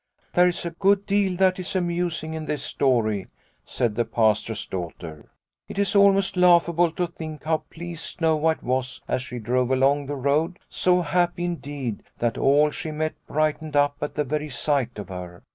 " There is a good deal that is amusing in this story," said the Pastor's daughter. " It is almost laughable to think how pleased Snow White was as she drove along the road, so happy indeed, that all she met brightened up at the very sight of her.